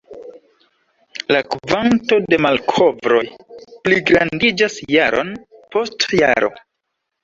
La kvanto de malkovroj pligrandiĝas jaron post jaro.